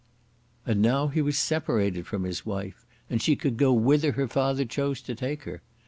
And now he was separated from his wife, and she could go whither her father chose to take her.